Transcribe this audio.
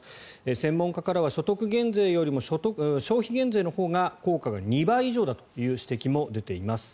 専門家からは所得減税よりも消費減税のほうが効果が２倍以上だという指摘も出ています。